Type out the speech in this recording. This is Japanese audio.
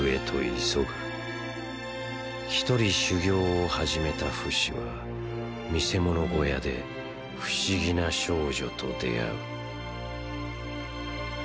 一人修業を始めたフシは見世物小屋で不思議な少女と出会う